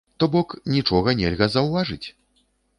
То бок, нічога нельга заўважыць?